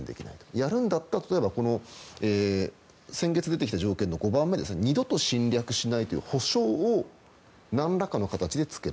やるんだったら先月出てきた条件の５番目二度と侵略しないという保証を何らかの形でつける。